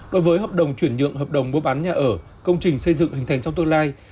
đối với hợp đồng chuyển nhượng hợp đồng mua bán nhà ở công trình xây dựng hình thành trong tương lai